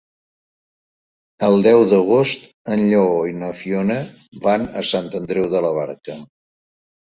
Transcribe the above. El deu d'agost en Lleó i na Fiona van a Sant Andreu de la Barca.